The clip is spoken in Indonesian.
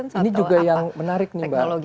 nah ini juga yang menarik nih mbak desy